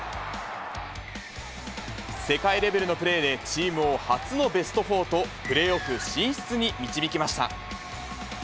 世界レベルのプレーでチームを初のベスト４と、プレーオフ進出に導きました。